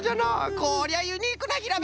こりゃユニークなひらめきじゃ！